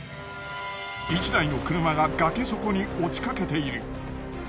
１台の車が崖底に落ちかけている。